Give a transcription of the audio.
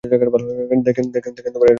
দেখেন, এরা যদি হয়?